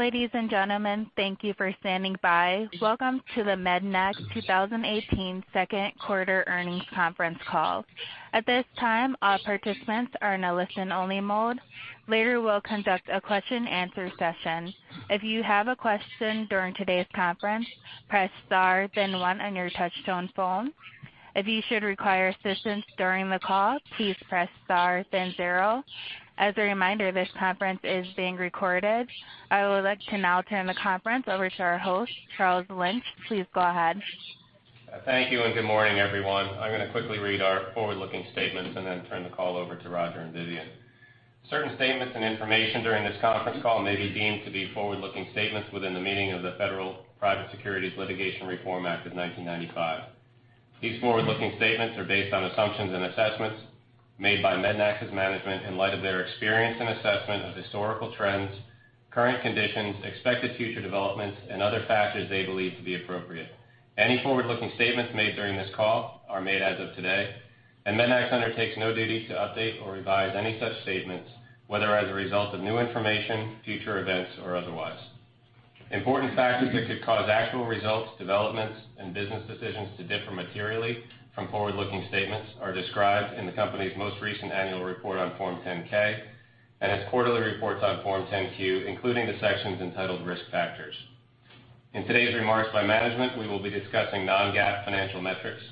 Ladies and gentlemen, thank you for standing by. Welcome to the MEDNAX 2018 second quarter earnings conference call. At this time, all participants are in a listen-only mode. Later, we'll conduct a question and answer session. If you have a question during today's conference, press star, then one on your touch-tone phone. If you should require assistance during the call, please press star, then zero. As a reminder, this conference is being recorded. I would like to now turn the conference over to our host, Charles Lynch. Please go ahead. Thank you. Good morning, everyone. I'm going to quickly read our forward-looking statements and then turn the call over to Roger and Vivian. Certain statements and information during this conference call may be deemed to be forward-looking statements within the meaning of the Federal Private Securities Litigation Reform Act of 1995. These forward-looking statements are based on assumptions and assessments made by MEDNAX's management in light of their experience and assessment of historical trends, current conditions, expected future developments, and other factors they believe to be appropriate. Any forward-looking statements made during this call are made as of today, and MEDNAX undertakes no duty to update or revise any such statements, whether as a result of new information, future events, or otherwise. Important factors that could cause actual results, developments, and business decisions to differ materially from forward-looking statements are described in the company's most recent annual report on Form 10-K and its quarterly reports on Form 10-Q, including the sections entitled Risk Factors. In today's remarks by management, we will be discussing non-GAAP financial metrics.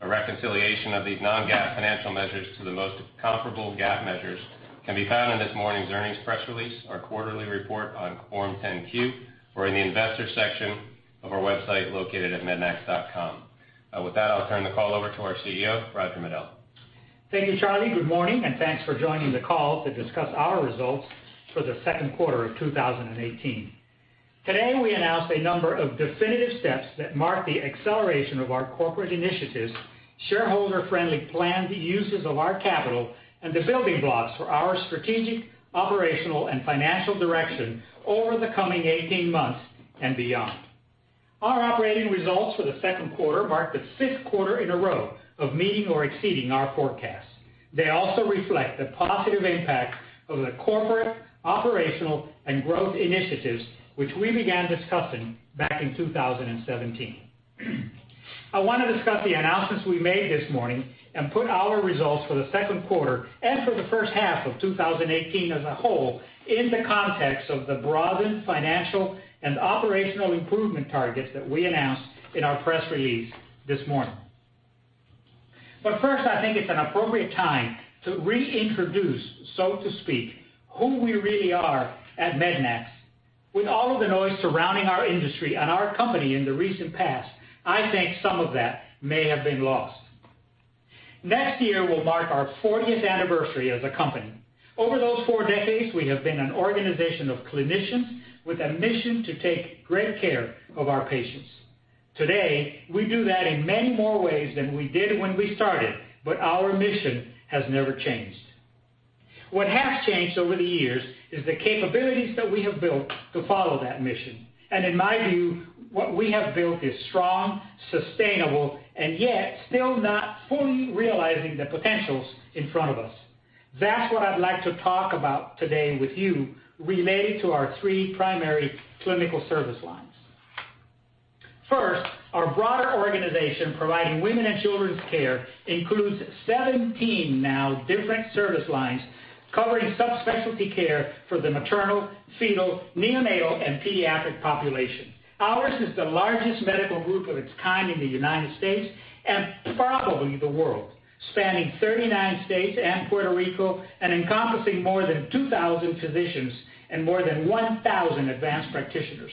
A reconciliation of these non-GAAP financial measures to the most comparable GAAP measures can be found in this morning's earnings press release, our quarterly report on Form 10-Q, or in the investor section of our website located at mednax.com. With that, I'll turn the call over to our CEO, Roger Medel. Thank you, Charlie. Good morning. Thanks for joining the call to discuss our results for the second quarter of 2018. Today, we announced a number of definitive steps that mark the acceleration of our corporate initiatives, shareholder-friendly planned uses of our capital, and the building blocks for our strategic, operational, and financial direction over the coming 18 months and beyond. Our operating results for the second quarter mark the fifth quarter in a row of meeting or exceeding our forecasts. They also reflect the positive impact of the corporate, operational, and growth initiatives, which we began discussing back in 2017. I want to discuss the announcements we made this morning and put our results for the second quarter and for the first half of 2018 as a whole in the context of the broadened financial and operational improvement targets that we announced in our press release this morning. First, I think it's an appropriate time to reintroduce, so to speak, who we really are at MEDNAX. With all of the noise surrounding our industry and our company in the recent past, I think some of that may have been lost. Next year will mark our 40th anniversary as a company. Over those four decades, we have been an organization of clinicians with a mission to take great care of our patients. Today, we do that in many more ways than we did when we started, but our mission has never changed. What has changed over the years is the capabilities that we have built to follow that mission. In my view, what we have built is strong, sustainable, and yet still not fully realizing the potentials in front of us. That's what I'd like to talk about today with you related to our three primary clinical service lines. First, our broader organization providing women and children's care includes 17 now different service lines covering subspecialty care for the maternal, fetal, neonatal, and pediatric population. Ours is the largest medical group of its kind in the U.S. and probably the world, spanning 39 states and Puerto Rico and encompassing more than 2,000 physicians and more than 1,000 advanced practitioners.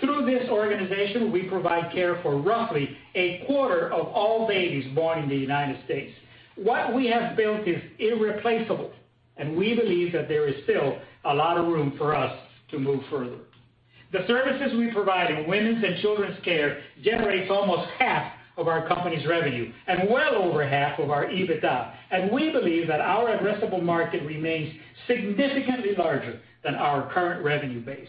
Through this organization, we provide care for roughly a quarter of all babies born in the U.S. What we have built is irreplaceable, and we believe that there is still a lot of room for us to move further. The services we provide in women's and children's care generates almost half of our company's revenue and well over half of our EBITDA. We believe that our addressable market remains significantly larger than our current revenue base.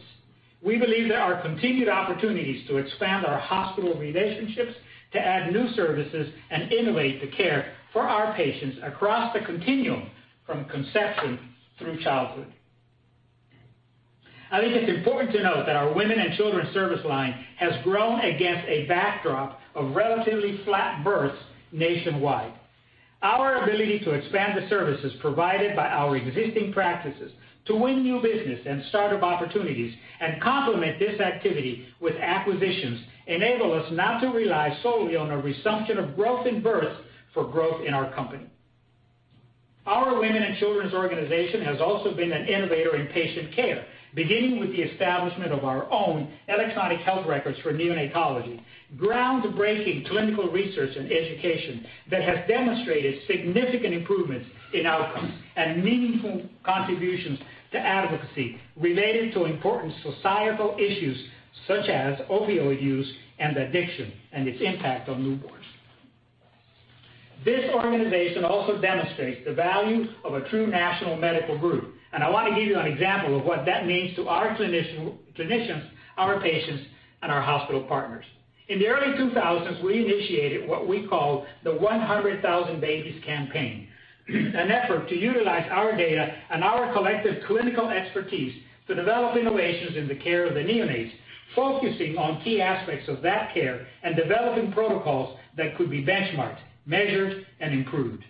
We believe there are continued opportunities to expand our hospital relationships, to add new services, and innovate the care for our patients across the continuum from conception through childhood. I think it's important to note that our women and children's service line has grown against a backdrop of relatively flat births nationwide. Our ability to expand the services provided by our existing practices to win new business and startup opportunities and complement this activity with acquisitions enable us not to rely solely on a resumption of growth in births for growth in our company. Our women and children's organization has also been an innovator in patient care, beginning with the establishment of our own electronic health records for neonatology, groundbreaking clinical research and education that has demonstrated significant improvements in outcomes and meaningful contributions to advocacy related to important societal issues such as opioid use and addiction and its impact on newborns. This organization also demonstrates the value of a true national medical group. I want to give you an example of what that means to our clinicians, our patients, and our hospital partners. In the early 2000s, we initiated what we call the 100,000 Babies Campaign, an effort to utilize our data and our collective clinical expertise to develop innovations in the care of the neonates, focusing on key aspects of that care and developing protocols that could be benchmarked, measured, and improved.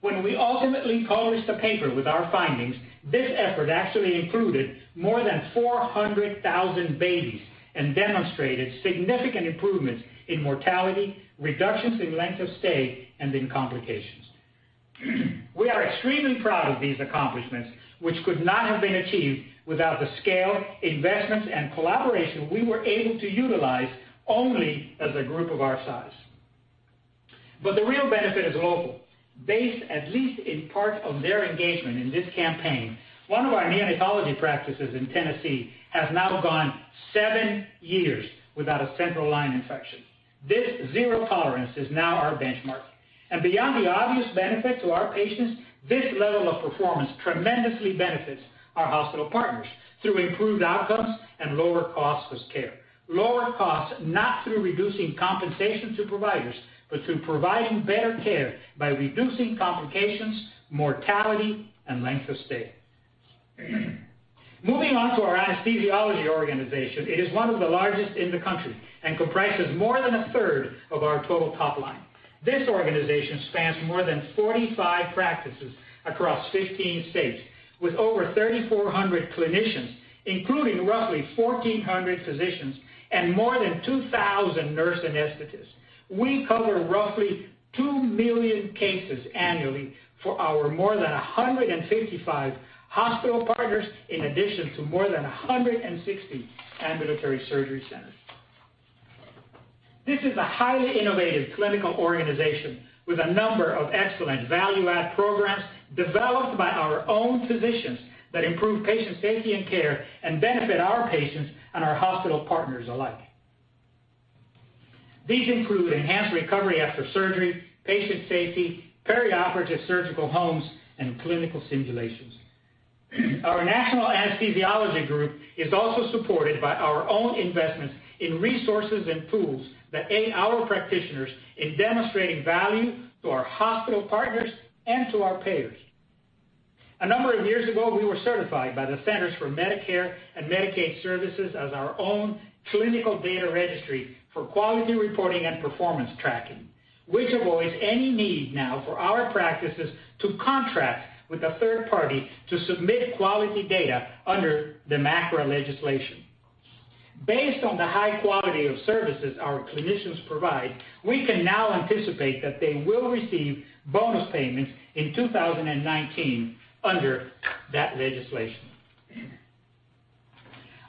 When we ultimately published a paper with our findings, this effort actually included more than 400,000 babies and demonstrated significant improvements in mortality, reductions in length of stay, and in complications. We are extremely proud of these accomplishments, which could not have been achieved without the scale, investments, and collaboration we were able to utilize only as a group of our size. The real benefit is local. Based at least in part on their engagement in this campaign, one of our neonatology practices in Tennessee has now gone seven years without a central line infection. This zero tolerance is now our benchmark. Beyond the obvious benefit to our patients, this level of performance tremendously benefits our hospital partners through improved outcomes and lower costs of care. Lower costs, not through reducing compensation to providers, but through providing better care by reducing complications, mortality, and length of stay. Moving on to our anesthesiology organization, it is one of the largest in the country and comprises more than a third of our total top line. This organization spans more than 45 practices across 15 states, with over 3,400 clinicians, including roughly 1,400 physicians and more than 2,000 nurse anesthetists. We cover roughly 2 million cases annually for our more than 155 hospital partners, in addition to more than 160 ambulatory surgery centers. This is a highly innovative clinical organization with a number of excellent value-add programs developed by our own physicians that improve patient safety and care and benefit our patients and our hospital partners alike. These include enhanced recovery after surgery, patient safety, perioperative surgical homes, and clinical simulations. Our national anesthesiology group is also supported by our own investments in resources and tools that aid our practitioners in demonstrating value to our hospital partners and to our payers. A number of years ago, we were certified by the Centers for Medicare & Medicaid Services as our own clinical data registry for quality reporting and performance tracking, which avoids any need now for our practices to contract with a third party to submit quality data under the MACRA legislation. Based on the high quality of services our clinicians provide, we can now anticipate that they will receive bonus payments in 2019 under that legislation.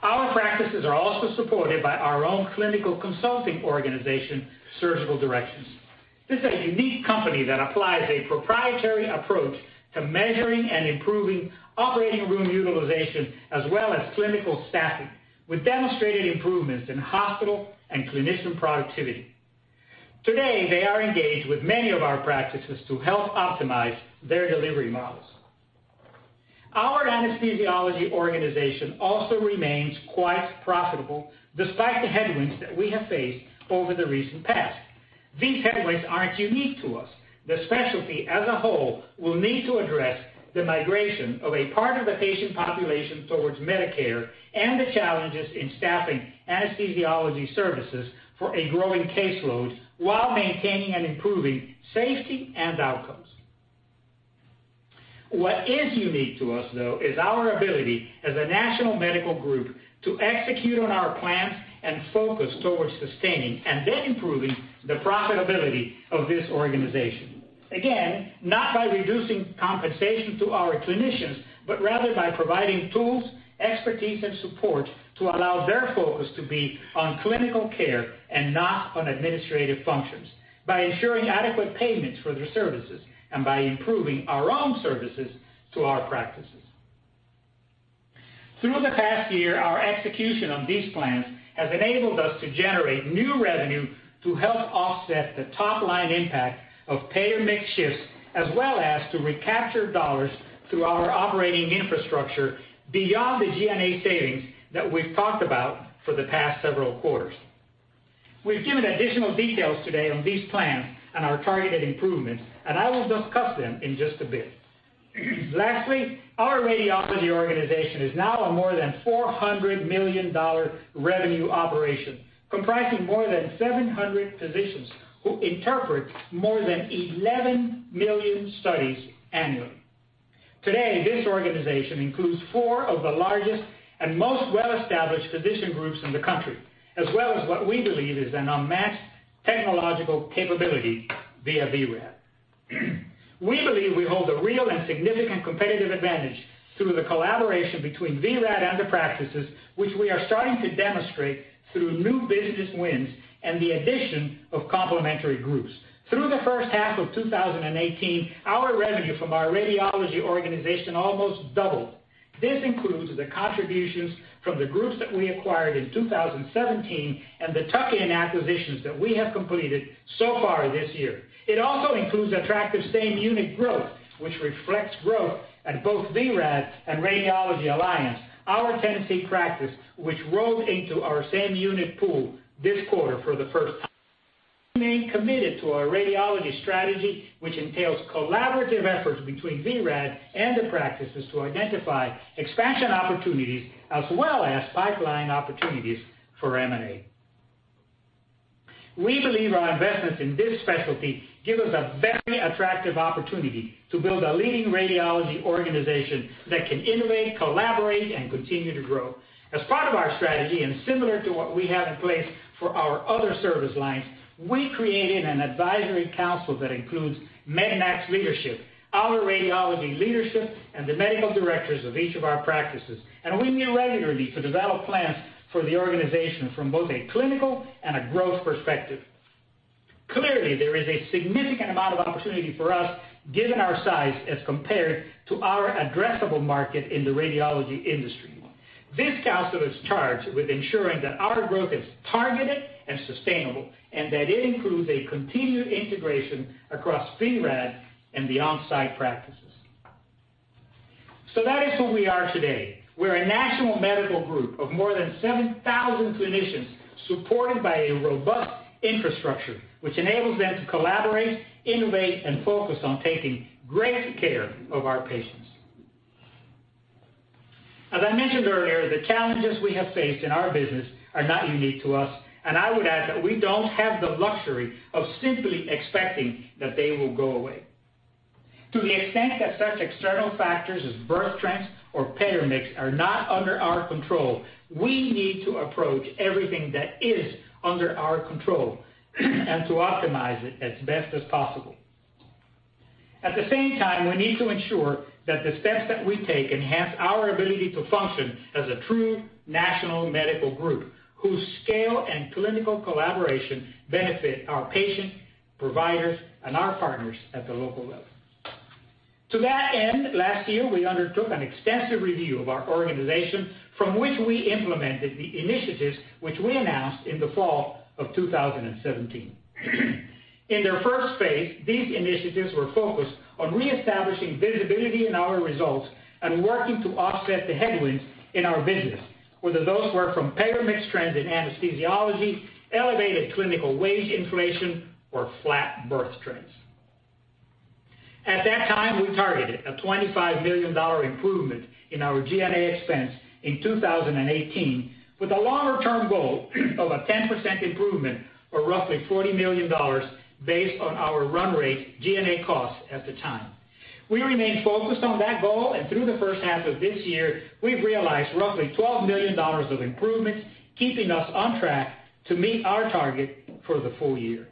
Our practices are also supported by our own clinical consulting organization, Surgical Directions. This is a unique company that applies a proprietary approach to measuring and improving operating room utilization, as well as clinical staffing, with demonstrated improvements in hospital and clinician productivity. Today, they are engaged with many of our practices to help optimize their delivery models. Our anesthesiology organization also remains quite profitable, despite the headwinds that we have faced over the recent past. These headwinds aren't unique to us. The specialty as a whole will need to address the migration of a part of the patient population towards Medicare and the challenges in staffing anesthesiology services for a growing caseload while maintaining and improving safety and outcomes. What is unique to us, though, is our ability as a national medical group to execute on our plans and focus towards sustaining and then improving the profitability of this organization. not by reducing compensation to our clinicians, but rather by providing tools, expertise, and support to allow their focus to be on clinical care and not on administrative functions, by ensuring adequate payments for their services, and by improving our own services to our practices. Through the past year, our execution of these plans has enabled us to generate new revenue to help offset the top-line impact of payer mix shifts, as well as to recapture dollars through our operating infrastructure beyond the G&A savings that we've talked about for the past several quarters. We've given additional details today on these plans and our targeted improvements, I will discuss them in just a bit. Lastly, our radiology organization is now a more than $400 million revenue operation, comprising more than 700 physicians who interpret more than 11 million studies annually. Today, this organization includes four of the largest and most well-established physician groups in the country, as well as what we believe is an unmatched technological capability via vRad. We believe we hold a real and significant competitive advantage through the collaboration between vRad and the practices, which we are starting to demonstrate through new business wins and the addition of complementary groups. Through the first half of 2018, our revenue from our radiology organization almost doubled. This includes the contributions from the groups that we acquired in 2017 and the tuck-in acquisitions that we have completed so far this year. It also includes attractive same-unit growth, which reflects growth at both vRad and Radiology Alliance, our Tennessee practice, which rolled into our same unit pool this quarter for the first time. We remain committed to our radiology strategy, which entails collaborative efforts between vRad and the practices to identify expansion opportunities as well as pipeline opportunities for M&A. We believe our investments in this specialty give us a very attractive opportunity to build a leading radiology organization that can innovate, collaborate, and continue to grow. As part of our strategy, similar to what we have in place for our other service lines, we created an advisory council that includes MEDNAX leadership, our radiology leadership, and the medical directors of each of our practices. We meet regularly to develop plans for the organization from both a clinical and a growth perspective. Clearly, there is a significant amount of opportunity for us, given our size as compared to our addressable market in the radiology industry. This council is charged with ensuring that our growth is targeted and sustainable, and that it includes a continued integration across vRad and the off-site practices. That is who we are today. We're a national medical group of more than 7,000 clinicians, supported by a robust infrastructure, which enables them to collaborate, innovate, and focus on taking greater care of our patients. As I mentioned earlier, the challenges we have faced in our business are not unique to us, and I would add that we don't have the luxury of simply expecting that they will go away. To the extent that such external factors as birth trends or payer mix are not under our control, we need to approach everything that is under our control and to optimize it as best as possible. At the same time, we need to ensure that the steps that we take enhance our ability to function as a true national medical group, whose scale and clinical collaboration benefit our patients, providers, and our partners at the local level. To that end, last year, we undertook an extensive review of our organization from which we implemented the initiatives which we announced in the fall of 2017. In their first phase, these initiatives were focused on reestablishing visibility in our results and working to offset the headwinds in our business, whether those were from payer mix trends in anesthesiology, elevated clinical wage inflation, or flat birth trends. At that time, we targeted a $25 million improvement in our G&A expense in 2018 with a longer-term goal of a 10% improvement or roughly $40 million based on our run rate G&A costs at the time. We remain focused on that goal, through the first half of this year, we've realized roughly $12 million of improvements, keeping us on track to meet our target for the full year.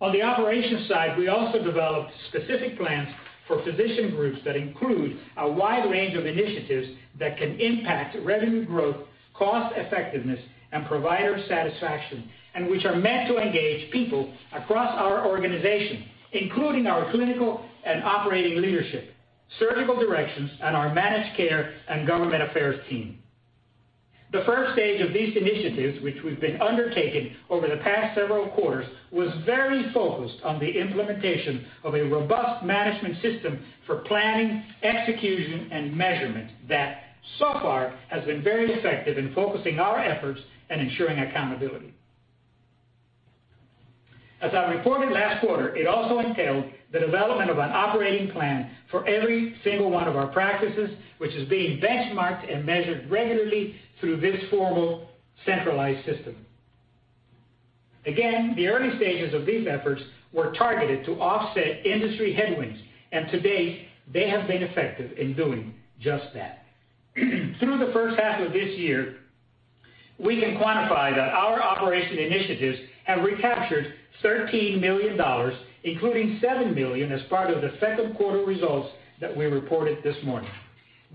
On the operations side, we also developed specific plans for physician groups that include a wide range of initiatives that can impact revenue growth, cost effectiveness, and provider satisfaction, and which are meant to engage people across our organization, including our clinical and operating leadership, Surgical Directions, and our managed care and government affairs team. The first stage of these initiatives, which we've been undertaking over the past several quarters, was very focused on the implementation of a robust management system for planning, execution, and measurement that so far has been very effective in focusing our efforts and ensuring accountability. As I reported last quarter, it also entailed the development of an operating plan for every single one of our practices, which is being benchmarked and measured regularly through this formal centralized system. The early stages of these efforts were targeted to offset industry headwinds, to date, they have been effective in doing just that. Through the first half of this year, we can quantify that our operation initiatives have recaptured $13 million, including $7 million as part of the second quarter results that we reported this morning.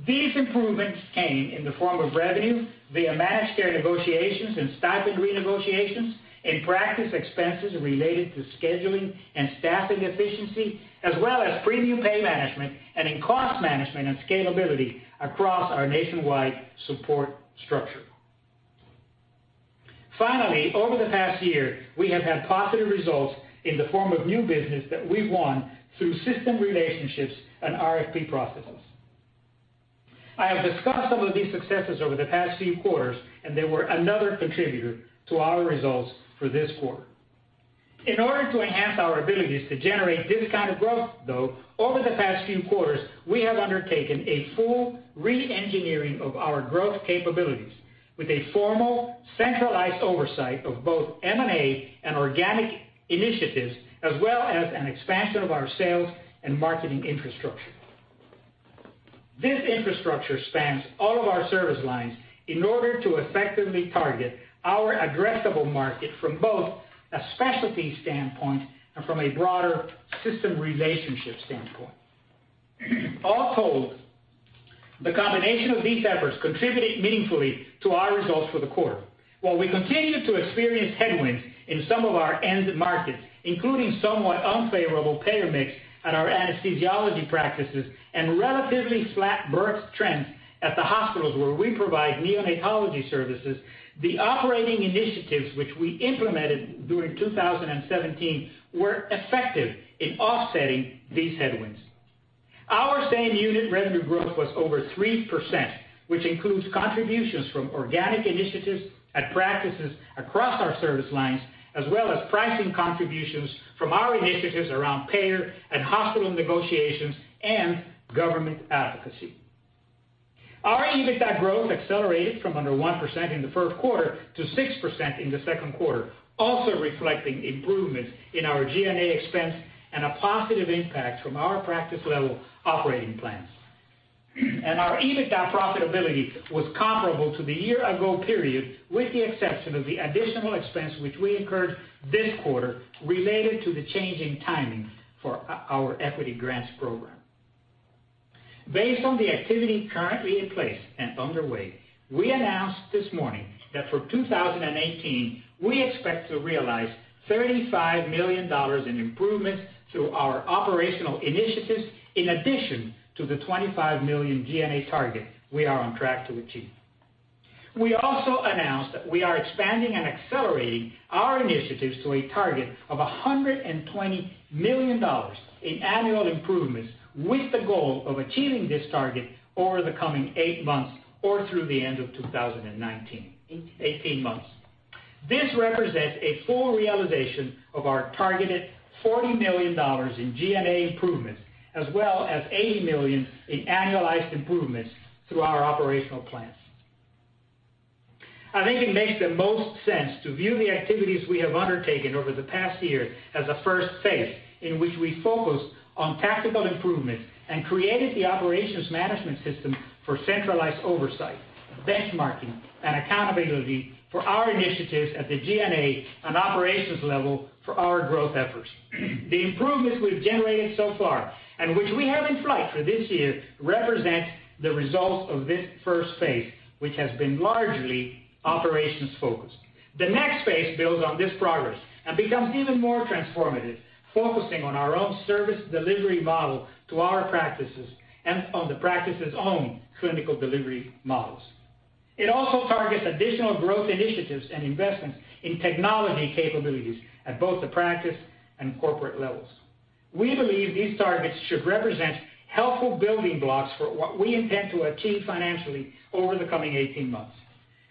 These improvements came in the form of revenue via managed care negotiations and stipend renegotiations, in practice expenses related to scheduling and staffing efficiency, as well as premium pay management, and in cost management and scalability across our nationwide support structure. Finally, over the past year, we have had positive results in the form of new business that we've won through system relationships and RFP processes. I have discussed some of these successes over the past few quarters, and they were another contributor to our results for this quarter. In order to enhance our abilities to generate this kind of growth, though, over the past few quarters, we have undertaken a full re-engineering of our growth capabilities with a formal, centralized oversight of both M&A and organic initiatives, as well as an expansion of our sales and marketing infrastructure. This infrastructure spans all of our service lines in order to effectively target our addressable market from both a specialty standpoint and from a broader system relationship standpoint. All told, the combination of these efforts contributed meaningfully to our results for the quarter. While we continue to experience headwinds in some of our end markets, including somewhat unfavorable payer mix at our anesthesiology practices and relatively flat birth trends at the hospitals where we provide neonatology services, the operating initiatives which we implemented during 2017 were effective in offsetting these headwinds. Our same-unit revenue growth was over 3%, which includes contributions from organic initiatives at practices across our service lines, as well as pricing contributions from our initiatives around payer and hospital negotiations and government advocacy. Our EBITDA growth accelerated from under 1% in the first quarter to 6% in the second quarter, also reflecting improvements in our G&A expense and a positive impact from our practice-level operating plans. Our EBITDA profitability was comparable to the year-ago period, with the exception of the additional expense which we incurred this quarter related to the change in timing for our equity grants program. Based on the activity currently in place and underway, we announced this morning that for 2018, we expect to realize $35 million in improvements through our operational initiatives, in addition to the $25 million G&A target we are on track to achieve. We also announced that we are expanding and accelerating our initiatives to a target of $120 million in annual improvements, with the goal of achieving this target over the coming eight months or through the end of 2019, 18 months. This represents a full realization of our targeted $40 million in G&A improvements, as well as $80 million in annualized improvements through our operational plans. I think it makes the most sense to view the activities we have undertaken over the past year as a first phase, in which we focused on tactical improvements and created the operations management system for centralized oversight, benchmarking, and accountability for our initiatives at the G&A and operations level for our growth efforts. The improvements we've generated so far, and which we have in flight for this year, represent the results of this first phase, which has been largely operations-focused. The next phase builds on this progress and becomes even more transformative, focusing on our own service delivery model to our practices and on the practices' own clinical delivery models. It also targets additional growth initiatives and investments in technology capabilities at both the practice and corporate levels. We believe these targets should represent helpful building blocks for what we intend to achieve financially over the coming 18 months.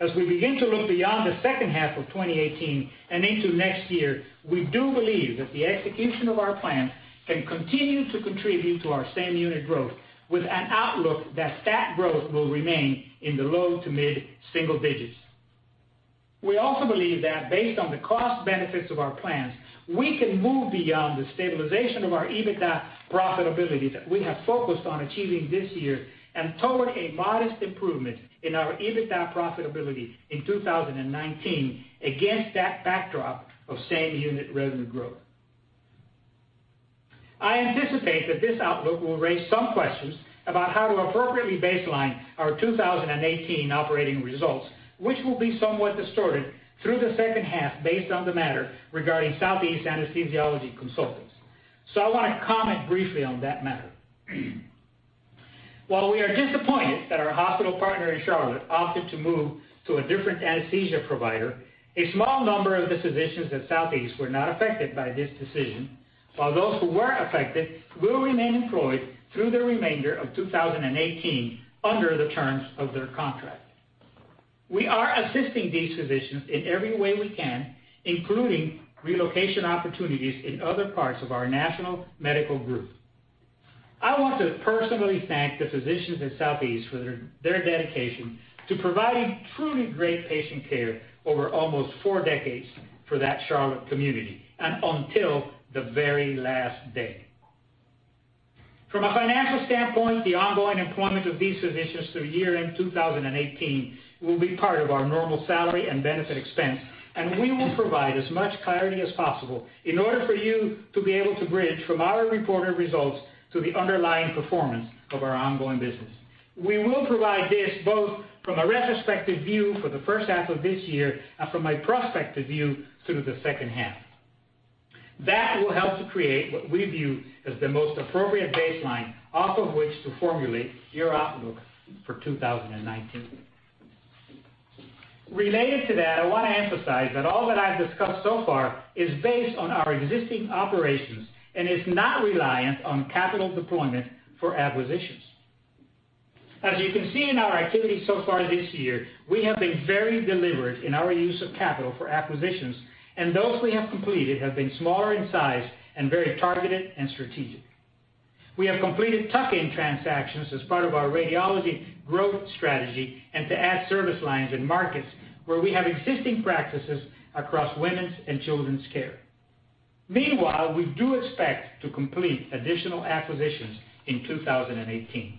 As we begin to look beyond the second half of 2018 and into next year, we do believe that the execution of our plan can continue to contribute to our same unit growth with an outlook that [stack growth] will remain in the low to mid-single digits. We also believe that based on the cost benefits of our plans, we can move beyond the stabilization of our EBITDA profitability that we have focused on achieving this year and toward a modest improvement in our EBITDA profitability in 2019 against that backdrop of same-unit revenue growth. I anticipate that this outlook will raise some questions about how to appropriately baseline our 2018 operating results, which will be somewhat distorted through the second half based on the matter regarding Southeast Anesthesiology Consultants. I want to comment briefly on that matter. While we are disappointed that our hospital partner in Charlotte opted to move to a different anesthesia provider, a small number of the physicians at Southeast were not affected by this decision, while those who were affected will remain employed through the remainder of 2018 under the terms of their contract. We are assisting these physicians in every way we can, including relocation opportunities in other parts of our national medical group. I want to personally thank the physicians at Southeast for their dedication to providing truly great patient care over almost four decades for that Charlotte community and until the very last day. From a financial standpoint, the ongoing employment of these physicians through year-end 2018 will be part of our normal salary and benefit expense, and we will provide as much clarity as possible in order for you to be able to bridge from our reported results to the underlying performance of our ongoing business. We will provide this both from a retrospective view for the first half of this year and from a prospective view through the second half. That will help to create what we view as the most appropriate baseline off of which to formulate your outlook for 2019. Related to that, I want to emphasize that all that I've discussed so far is based on our existing operations and is not reliant on capital deployment for acquisitions. As you can see in our activity so far this year, we have been very deliberate in our use of capital for acquisitions, and those we have completed have been smaller in size and very targeted and strategic. We have completed tuck-in transactions as part of our radiology growth strategy and to add service lines in markets where we have existing practices across women's and children's care. Meanwhile, we do expect to complete additional acquisitions in 2018.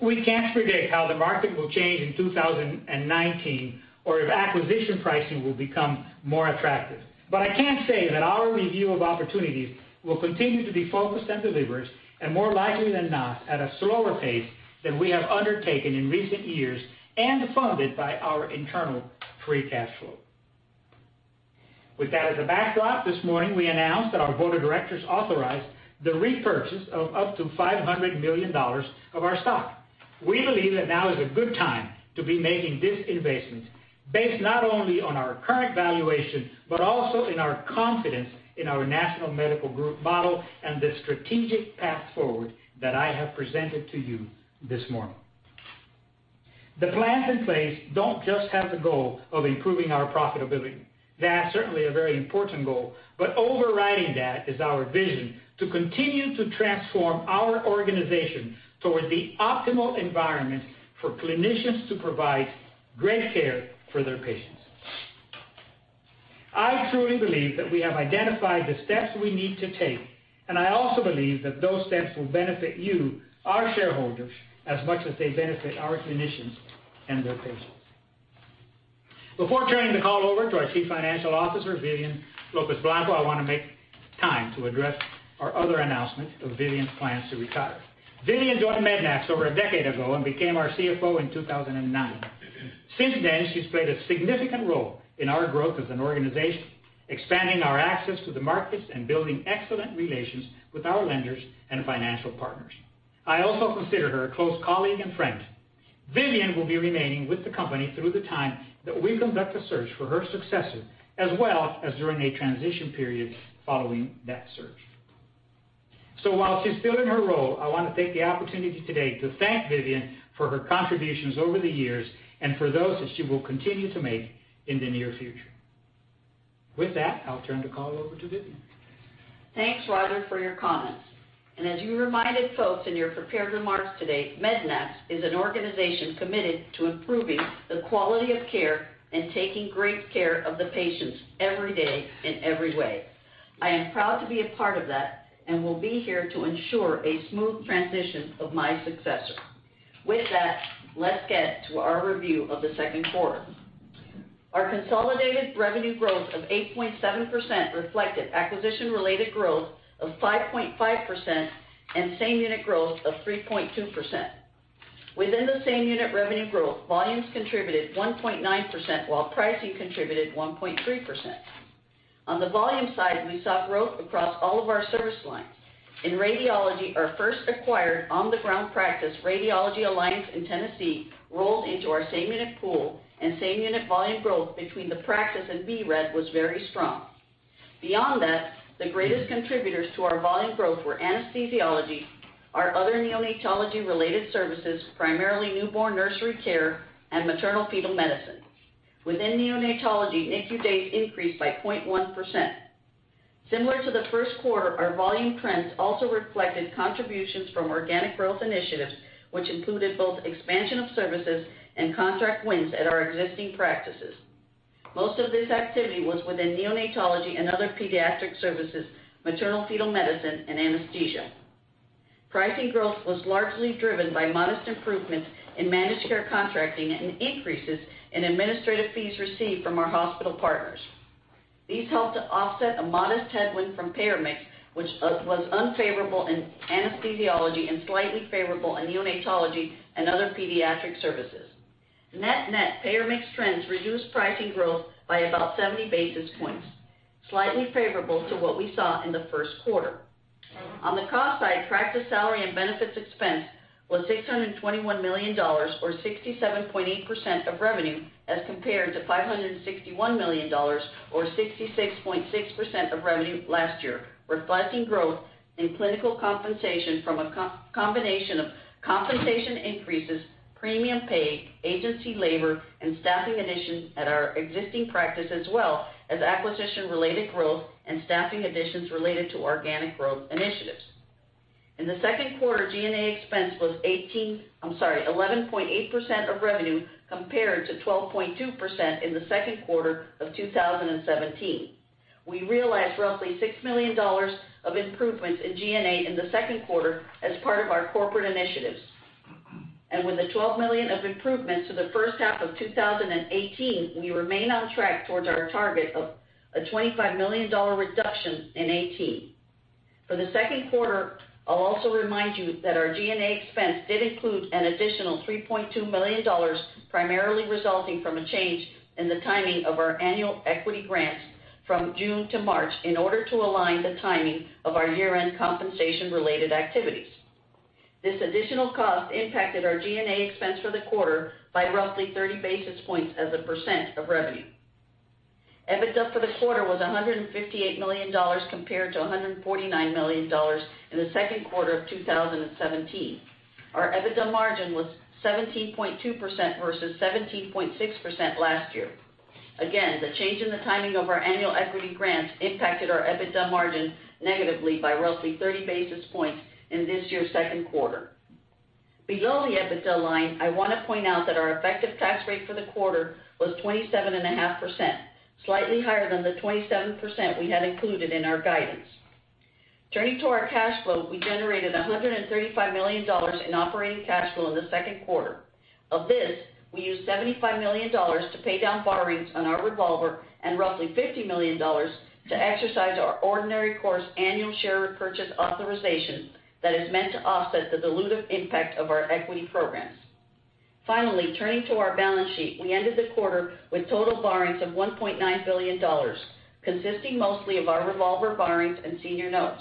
We can't predict how the market will change in 2019 or if acquisition pricing will become more attractive. I can say that our review of opportunities will continue to be focused and deliberate, and more likely than not, at a slower pace than we have undertaken in recent years and funded by our internal free cash flow. With that as a backdrop, this morning we announced that our board of directors authorized the repurchase of up to $500 million of our stock. We believe that now is a good time to be making this investment, based not only on our current valuation, but also in our confidence in our national medical group model and the strategic path forward that I have presented to you this morning. The plans in place don't just have the goal of improving our profitability. That's certainly a very important goal, but overriding that is our vision to continue to transform our organization towards the optimal environment for clinicians to provide great care for their patients. I truly believe that we have identified the steps we need to take, and I also believe that those steps will benefit you, our shareholders, as much as they benefit our clinicians and their patients. Before turning the call over to our Chief Financial Officer, Vivian Lopez-Blanco, I want to make time to address our other announcement of Vivian's plans to retire. Vivian joined MEDNAX over a decade ago and became our CFO in 2009. Since then, she's played a significant role in our growth as an organization, expanding our access to the markets and building excellent relations with our lenders and financial partners. I also consider her a close colleague and friend. Vivian will be remaining with the company through the time that we conduct a search for her successor, as well as during a transition period following that search. While she's still in her role, I want to take the opportunity today to thank Vivian for her contributions over the years and for those that she will continue to make in the near future. With that, I'll turn the call over to Vivian. Thanks, Roger, for your comments. As you reminded folks in your prepared remarks today, MEDNAX is an organization committed to improving the quality of care and taking great care of the patients every day in every way. I am proud to be a part of that and will be here to ensure a smooth transition of my successor. With that, let's get to our review of the second quarter. Our consolidated revenue growth of 8.7% reflected acquisition-related growth of 5.5% and same unit growth of 3.2%. Within the same unit revenue growth, volumes contributed 1.9%, while pricing contributed 1.3%. On the volume side, we saw growth across all of our service lines. In radiology, our first acquired on-the-ground practice, Radiology Alliance in Tennessee, rolled into our same unit pool, and same unit volume growth between the practice and vRad was very strong. Beyond that, the greatest contributors to our volume growth were anesthesiology, our other neonatology-related services, primarily newborn nursery care and maternal fetal medicine. Within neonatology, NICU days increased by 0.1%. Similar to the first quarter, our volume trends also reflected contributions from organic growth initiatives, which included both expansion of services and contract wins at our existing practices. Most of this activity was within neonatology and other pediatric services, maternal fetal medicine, and anesthesia. Pricing growth was largely driven by modest improvements in managed care contracting and increases in administrative fees received from our hospital partners. These helped to offset a modest headwind from payer mix, which was unfavorable in anesthesiology and slightly favorable in neonatology and other pediatric services. Net-net payer mix trends reduced pricing growth by about 70 basis points, slightly favorable to what we saw in the first quarter. On the cost side, practice salary and benefits expense was $621 million, or 67.8% of revenue, as compared to $561 million, or 66.6% of revenue last year, reflecting growth in clinical compensation from a combination of compensation increases, premium pay, agency labor, and staffing additions at our existing practice, as well as acquisition-related growth and staffing additions related to organic growth initiatives. In the second quarter, G&A expense was 11.8% of revenue compared to 12.2% in the second quarter of 2017. We realized roughly $6 million of improvements in G&A in the second quarter as part of our corporate initiatives. With the $12 million of improvements to the first half of 2018, we remain on track towards our target of a $25 million reduction in 2018. For the second quarter, I'll also remind you that our G&A expense did include an additional $3.2 million, primarily resulting from a change in the timing of our annual equity grants from June to March in order to align the timing of our year-end compensation-related activities. This additional cost impacted our G&A expense for the quarter by roughly 30 basis points as a % of revenue. EBITDA for the quarter was $158 million, compared to $149 million in the second quarter of 2017. Our EBITDA margin was 17.2% versus 17.6% last year. The change in the timing of our annual equity grants impacted our EBITDA margin negatively by roughly 30 basis points in this year's second quarter. Below the EBITDA line, I want to point out that our effective tax rate for the quarter was 27.5%, slightly higher than the 27% we had included in our guidance. Turning to our cash flow, we generated $135 million in operating cash flow in the second quarter. Of this, we used $75 million to pay down borrowings on our revolver and roughly $50 million to exercise our ordinary course annual share repurchase authorization that is meant to offset the dilutive impact of our equity programs. Finally, turning to our balance sheet, we ended the quarter with total borrowings of $1.9 billion, consisting mostly of our revolver borrowings and senior notes.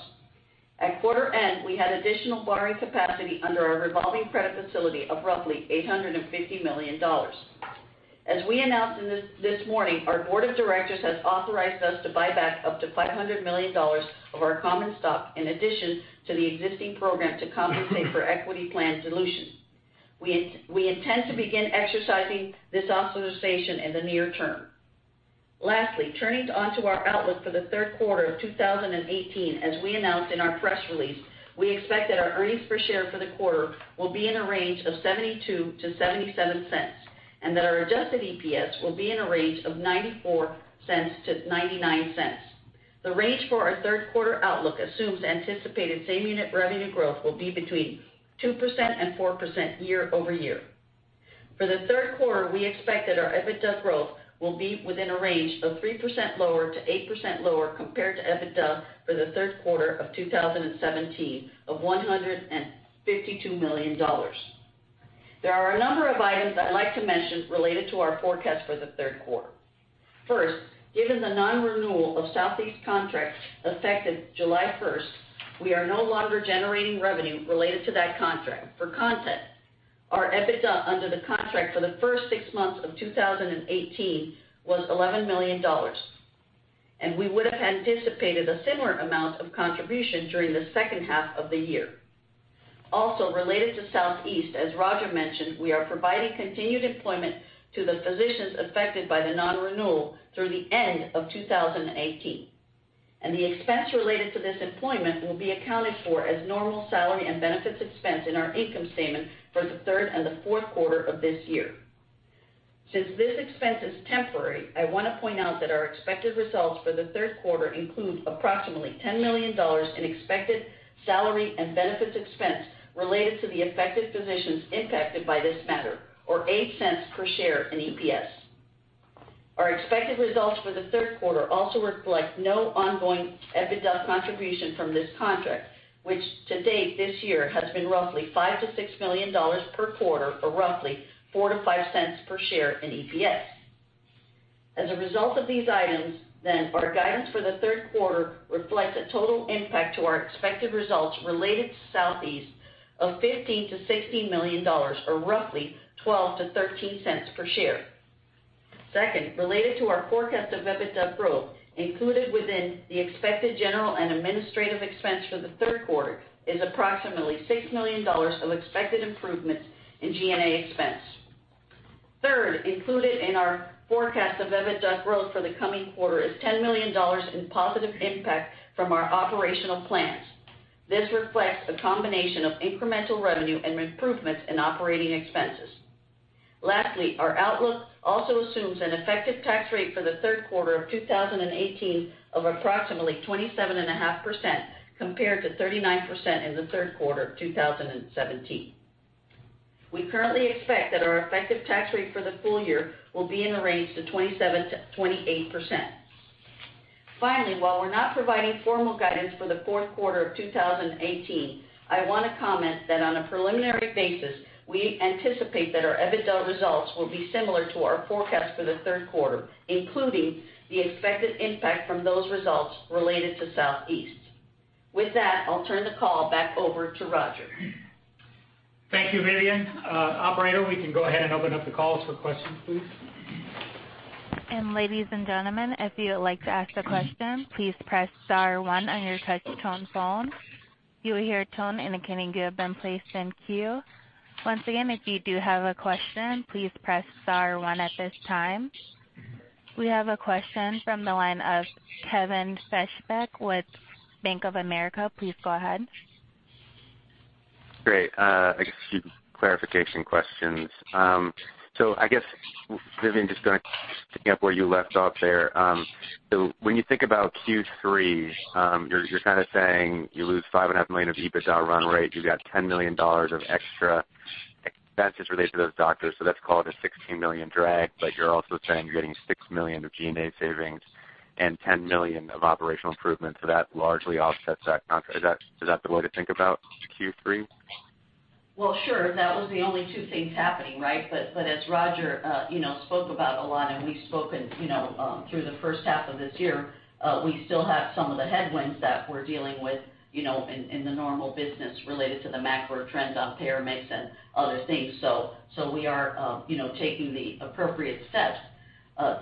At quarter end, we had additional borrowing capacity under our revolving credit facility of roughly $850 million. As we announced this morning, our board of directors has authorized us to buy back up to $500 million of our common stock, in addition to the existing program to compensate for equity plan dilution. We intend to begin exercising this authorization in the near term. Turning onto our outlook for the third quarter of 2018, as we announced in our press release, we expect that our earnings per share for the quarter will be in a range of $0.72-$0.77, and that our adjusted EPS will be in a range of $0.94-$0.99. The range for our third quarter outlook assumes anticipated same-unit revenue growth will be between 2% and 4% year-over-year. For the third quarter, we expect that our EBITDA growth will be within a range of 3%-8% lower compared to EBITDA for the third quarter of 2017, of $152 million. There are a number of items I'd like to mention related to our forecast for the third quarter. First, given the non-renewal of Southeast contracts effective July 1st, we are no longer generating revenue related to that contract. For context, our EBITDA under the contract for the first six months of 2018 was $11 million, and we would've anticipated a similar amount of contribution during the second half of the year. Also, related to Southeast, as Roger mentioned, we are providing continued employment to the physicians affected by the non-renewal through the end of 2018. The expense related to this employment will be accounted for as normal salary and benefits expense in our income statement for the third and fourth quarter of this year. Since this expense is temporary, I want to point out that our expected results for the third quarter include approximately $10 million in expected salary and benefits expense related to the affected physicians impacted by this matter, or $0.08 per share in EPS. Our expected results for the third quarter also reflect no ongoing EBITDA contribution from this contract, which to date this year has been roughly $5 million to $6 million per quarter, or roughly $0.04 to $0.05 per share in EPS. As a result of these items, our guidance for the third quarter reflects a total impact to our expected results related to Southeast of $15 million to $16 million, or roughly $0.12 to $0.13 per share. Second, related to our forecast of EBITDA growth, included within the expected general and administrative expense for the third quarter is approximately $6 million of expected improvements in G&A expense. Third, included in our forecast of EBITDA growth for the coming quarter is $10 million in positive impact from our operational plans. This reflects a combination of incremental revenue and improvements in operating expenses. Lastly, our outlook also assumes an effective tax rate for the third quarter of 2018 of approximately 27.5% compared to 39% in the third quarter of 2017. We currently expect that our effective tax rate for the full year will be in a range to 27%-28%. Finally, while we're not providing formal guidance for the fourth quarter of 2018, I want to comment that on a preliminary basis, we anticipate that our EBITDA results will be similar to our forecast for the third quarter, including the expected impact from those results related to Southeast. With that, I'll turn the call back over to Roger. Thank you, Vivian. Operator, we can go ahead and open up the calls for questions, please. Ladies and gentlemen, if you would like to ask a question, please press star one on your touch tone phone. You will hear a tone indicating you have been placed in queue. Once again, if you do have a question, please press star one at this time. We have a question from the line of Kevin Fischbeck with Bank of America. Please go ahead. Great. A few clarification questions. I guess, Vivian, just picking up where you left off there. When you think about Q3, you're saying you lose $5.5 million of EBITDA run rate, you've got $10 million of extra expenses related to those doctors, so that's called a $16 million drag. You're also saying you're getting $6 million of G&A savings and $10 million of operational improvements. That largely offsets that contract. Is that the way to think about Q3? Well, sure. That was the only two things happening, right? As Roger spoke about a lot, and we've spoken through the first half of this year, we still have some of the headwinds that we're dealing with in the normal business related to the macro trends on payer mix and other things. We are taking the appropriate steps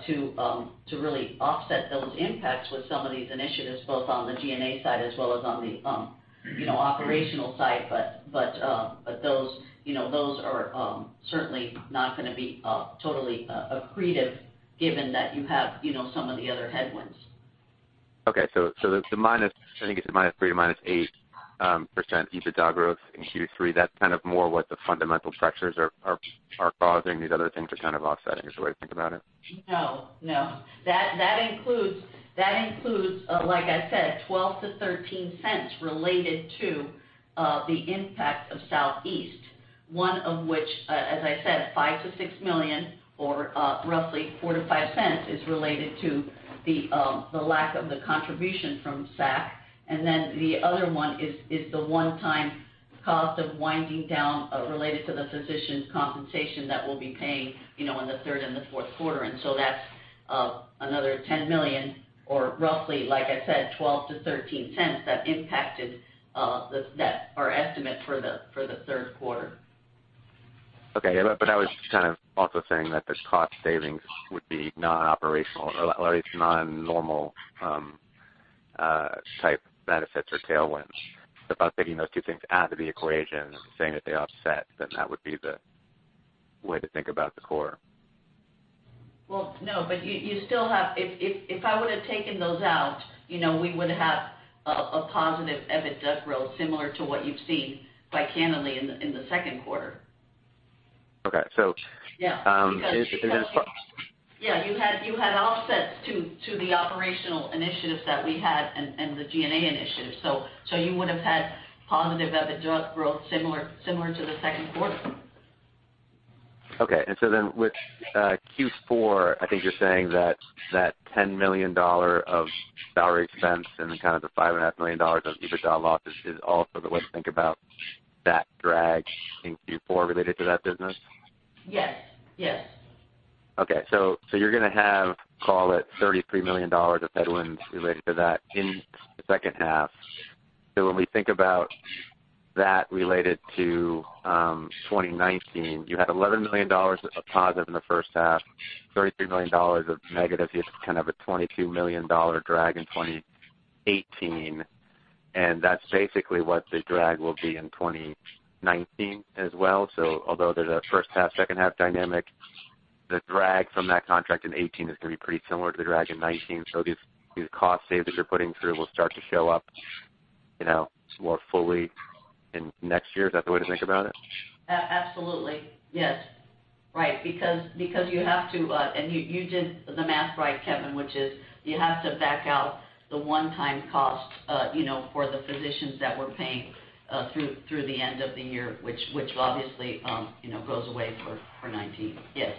to really offset those impacts with some of these initiatives, both on the G&A side as well as on the operational side. Those are certainly not going to be totally accretive given that you have some of the other headwinds. Okay. The minus, I think it's the -3% to -8% EBITDA growth in Q3, that's more what the fundamental pressures are causing. These other things are kind of offsetting, is the way to think about it? No. That includes, like I said, $0.12-$0.13 related to the impact of Southeast. One of which, as I said, $5 million-$6 million, or roughly $0.04-$0.05 is related to the lack of the contribution from SAC, and the other one is the one-time cost of winding down related to the physicians' compensation that we'll be paying in the third and fourth quarter. That's another $10 million, or roughly, like I said, $0.12-$0.13 that impacted our estimate for the third quarter. Okay. Yeah, I was kind of also saying that this cost savings would be non-operational, or at least non-normal type benefits or tailwinds. If I was taking those two things out of the equation and saying that they offset, that would be the way to think about the core. Well, no, if I would've taken those out, we would have a positive EBIT growth, similar to what you've seen by candidly in the second quarter. Okay. Yeah. If it is. Yeah, you had offsets to the operational initiatives that we had and the G&A initiatives. You would've had positive EBIT growth similar to the second quarter. Okay. With Q4, I think you're saying that that $10 million of salary expense and the kind of the $5.5 million of EBITDA losses is also the way to think about that drag in Q4 related to that business? Yes. Okay. You're gonna have, call it $33 million of headwinds related to that in the second half. When we think about that related to 2019, you had $11 million of positive in the first half, $33 million of negative. You have kind of a $22 million drag in 2018, and that's basically what the drag will be in 2019 as well. Although there's a first half-second half dynamic, the drag from that contract in 2018 is gonna be pretty similar to the drag in 2019. These cost saves that you're putting through will start to show up more fully in next year. Is that the way to think about it? Absolutely. Yes. Because you have to. You did the math right, Kevin, which is you have to back out the one-time cost for the physicians that we're paying through the end of the year, which obviously goes away for 2019. Yes.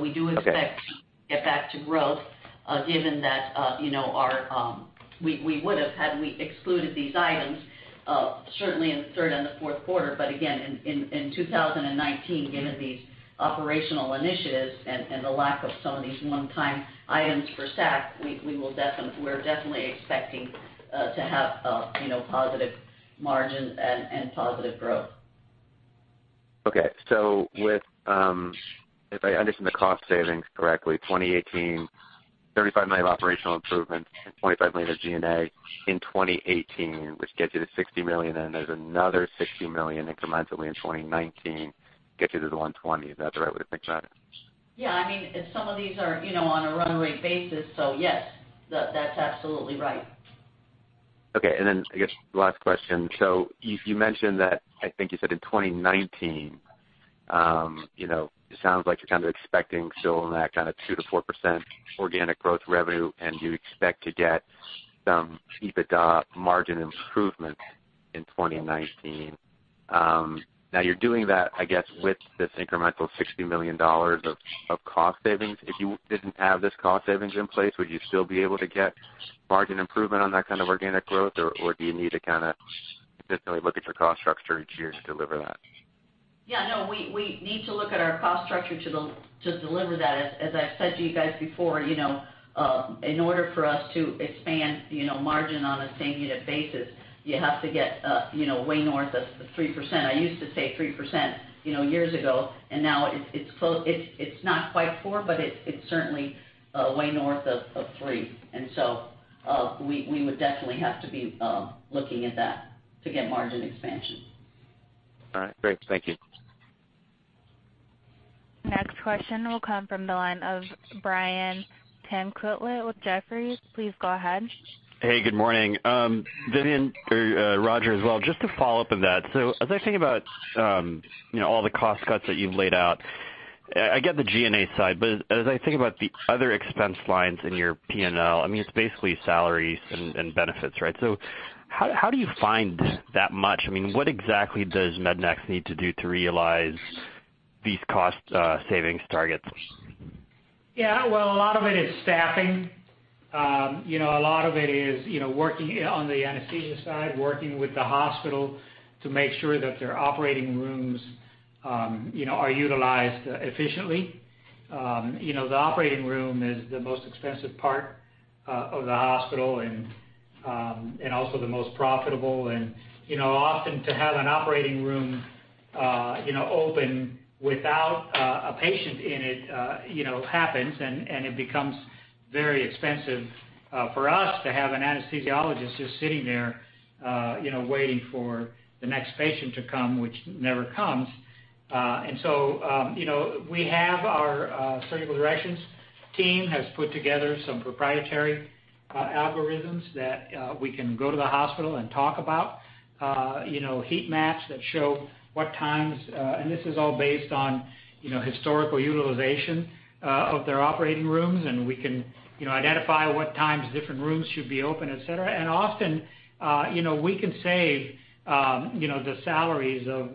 We do expect. Okay We expect to get back to growth, given that we would've, had we excluded these items, certainly in the third and the fourth quarter. Again, in 2019, given these operational initiatives and the lack of some of these one-time items for SAC, we're definitely expecting to have positive margin and positive growth. Okay. If I understand the cost savings correctly, 2018, $35 million of operational improvements and $25 million of G&A in 2018, which gets you to $60 million. There's another $60 million incrementally in 2019, get you to the $120 million. Is that the right way to think about it? Yeah, some of these are on a run rate basis. Yes, that's absolutely right. Okay, I guess last question. You mentioned that, I think you said in 2019, it sounds like you're kind of expecting still in that kind of 2%-4% organic growth revenue, and you expect to get some EBITDA margin improvement in 2019. You're doing that, I guess, with this incremental $60 million of cost savings. If you didn't have this cost savings in place, would you still be able to get margin improvement on that kind of organic growth? Or do you need to kind of consistently look at your cost structure each year to deliver that? Yeah, no, we need to look at our cost structure to deliver that. As I've said to you guys before, in order for us to expand margin on a same unit basis, you have to get way north of 3%. I used to say 3% years ago, and now it's not quite 4%, but it's certainly way north of 3%. We would definitely have to be looking at that to get margin expansion. All right, great. Thank you. Next question will come from the line of Brian Tanquilut with Jefferies. Please go ahead. Hey, good morning. Vivian, or Roger as well, just to follow up on that. As I think about all the cost cuts that you've laid out, I get the G&A side, as I think about the other expense lines in your P&L, it's basically salaries and benefits, right? How do you find that much? What exactly does Pediatrix need to do to realize these cost savings targets? A lot of it is staffing. A lot of it is working on the anesthesia side, working with the hospital to make sure that their operating rooms are utilized efficiently. The operating room is the most expensive part of the hospital and also the most profitable. Often to have an operating room open without a patient in it happens, and it becomes very expensive for us to have an anesthesiologist just sitting there waiting for the next patient to come, which never comes. Our Surgical Directions team has put together some proprietary algorithms that we can go to the hospital and talk about heat maps that show what times. This is all based on historical utilization. Of their operating rooms, we can identify what times different rooms should be open, et cetera. Often we can save the salaries of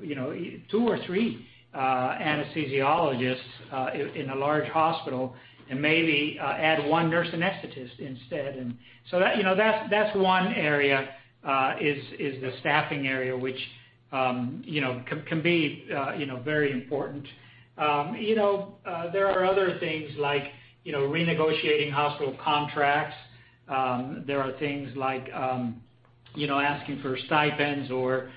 two or three anesthesiologists in a large hospital and maybe add one nurse anesthetist instead. That's one area, is the staffing area, which can be very important. There are other things like renegotiating hospital contracts. There are things like asking for stipends or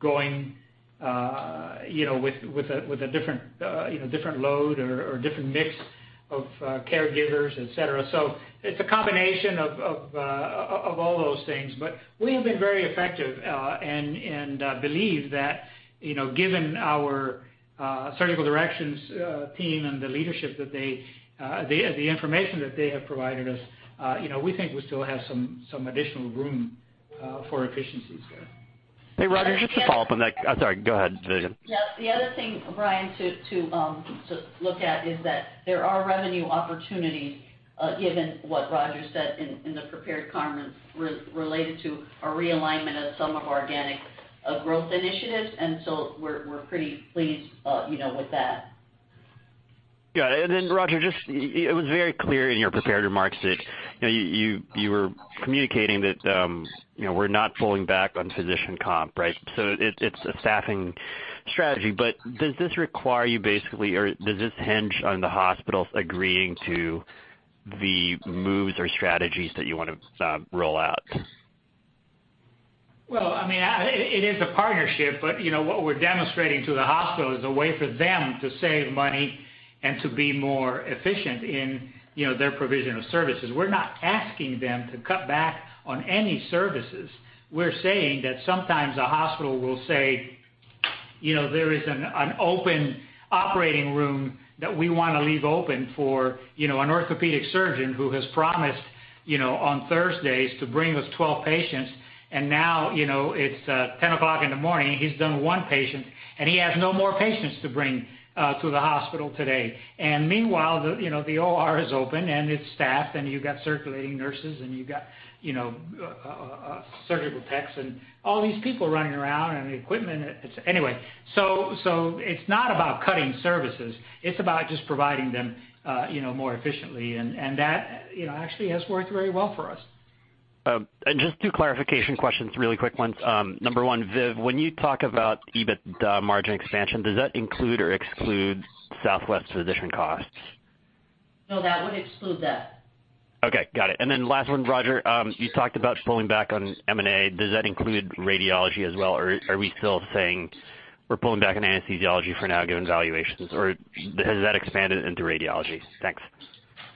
going with a different load or different mix of caregivers, et cetera. It's a combination of all those things. We have been very effective and believe that given our Surgical Directions team and the leadership that the information that they have provided us, we think we still have some additional room for efficiencies there. Hey, Roger, just a follow-up on that. I'm sorry. Go ahead, Vivian. Yes. The other thing, Brian, to look at is that there are revenue opportunities given what Roger said in the prepared comments related to a realignment of some of our organic growth initiatives. We're pretty pleased with that. Got it. Roger, just it was very clear in your prepared remarks that you were communicating that we're not pulling back on physician comp, right? It's a staffing strategy, but does this require you basically, or does this hinge on the hospitals agreeing to the moves or strategies that you want to roll out? Well, it is a partnership, but what we're demonstrating to the hospital is a way for them to save money and to be more efficient in their provision of services. We're not asking them to cut back on any services. We're saying that sometimes a hospital will say there is an open operating room that we want to leave open for an orthopedic surgeon who has promised on Thursdays to bring us 12 patients. Now, it's 10 o'clock in the morning, he's done one patient, and he has no more patients to bring to the hospital today. Meanwhile, the OR is open, and it's staffed, and you've got circulating nurses, and you've got surgical techs and all these people running around and the equipment. Anyway, it's not about cutting services. It's about just providing them more efficiently. That actually has worked very well for us. Just two clarification questions, really quick ones. Number one, Viv, when you talk about EBITDA margin expansion, does that include or exclude Southeast physician costs? No, that would exclude that. Okay, got it. Last one, Roger. You talked about pulling back on M&A. Does that include radiology as well, or are we still saying we're pulling back on anesthesiology for now, given valuations, or has that expanded into radiology? Thanks.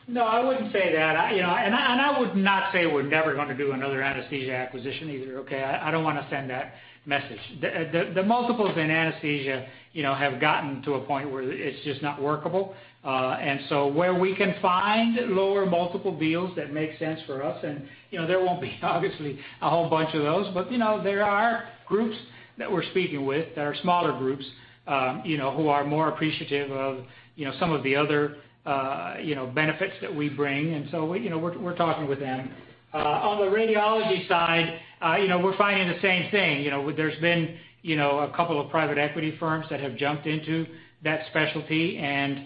No, I wouldn't say that. I would not say we're never going to do another anesthesia acquisition either, okay? I don't want to send that message. The multiples in anesthesia have gotten to a point where it's just not workable. Where we can find lower multiple deals that make sense for us, and there won't be obviously a whole bunch of those, but there are groups that we're speaking with that are smaller groups who are more appreciative of some of the other benefits that we bring. We're talking with them. On the radiology side, we're finding the same thing. There's been a couple of private equity firms that have jumped into that specialty, and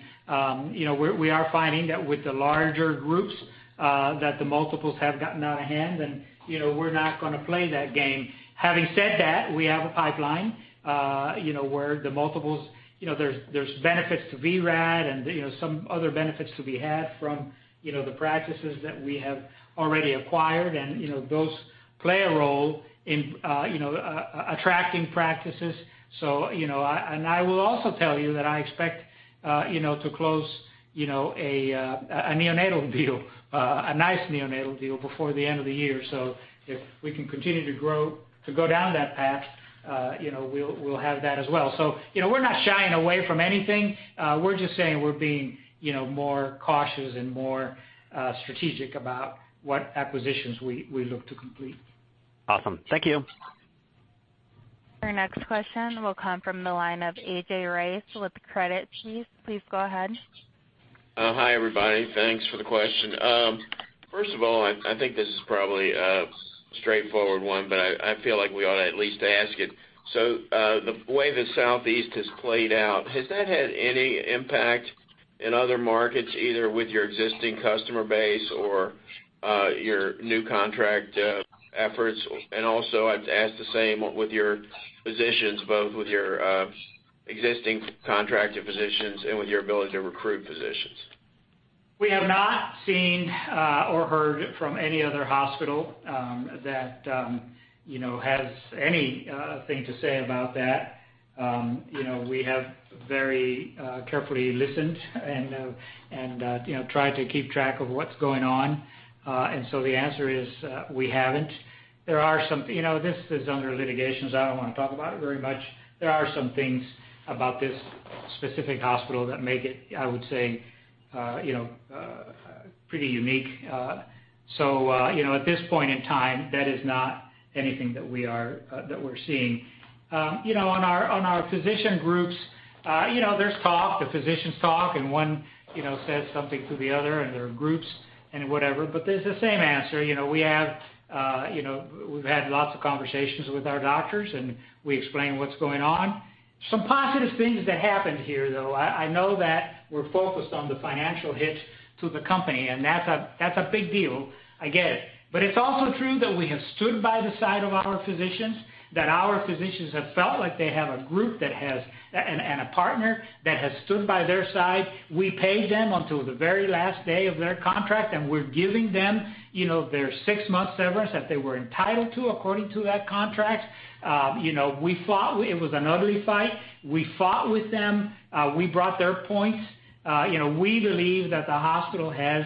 we are finding that with the larger groups that the multiples have gotten out of hand, and we're not going to play that game. Having said that, we have a pipeline where there's benefits to vRad and some other benefits to be had from the practices that we have already acquired, and those play a role in attracting practices. I will also tell you that I expect to close a neonatal deal, a nice neonatal deal before the end of the year. If we can continue to grow to go down that path we'll have that as well. We're not shying away from anything. We're just saying we're being more cautious and more strategic about what acquisitions we look to complete. Awesome. Thank you. Our next question will come from the line of A.J. Rice with Credit Suisse. Please go ahead. Hi, everybody. Thanks for the question. First of all, I think this is probably a straightforward one, but I feel like we ought to at least ask it. The way the Southeast has played out, has that had any impact in other markets, either with your existing customer base or your new contract efforts? Also I'd ask the same with your physicians, both with your existing contracted physicians and with your ability to recruit physicians. We have not seen or heard from any other hospital that has anything to say about that. We have very carefully listened and tried to keep track of what's going on. The answer is we haven't. This is under litigation, so I don't want to talk about it very much. There are some things about this specific hospital that make it, I would say pretty unique. At this point in time, that is not anything that we're seeing. On our physician groups, there's talk, the physicians talk, and one says something to the other, and there are groups and whatever, but it's the same answer. We've had lots of conversations with our doctors, and we explain what's going on. Some positive things that happened here, though. I know that we're focused on the financial hit to the company, and that's a big deal. I get it. It's also true that we have stood by the side of our physicians, that our physicians have felt like they have a group and a partner that has stood by their side. We paid them until the very last day of their contract, and we're giving them their six-month severance that they were entitled to according to that contract. It was an ugly fight. We fought with them. We brought their points. We believe that the hospital has,